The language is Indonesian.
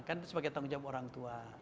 kan itu sebagai tanggung jawab orang tua